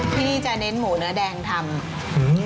ที่นี่จะเน้นหมูเนื้อแดงทำ